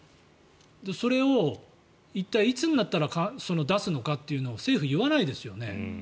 それを一体いつになったら出すのかというのを政府は言わないですよね。